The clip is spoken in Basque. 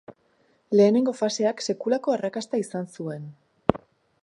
Lehenengo faseak sekulako arrakasta izan zuen.